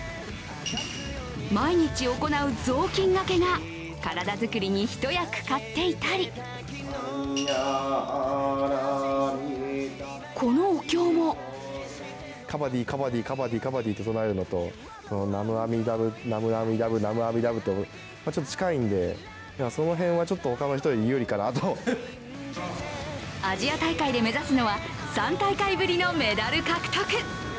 毎日行う雑巾がけが体づくりに一役買っていたりこのお経もアジア大会で目指すのは３大会ぶりのメダル獲得。